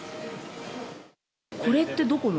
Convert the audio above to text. これってどこの？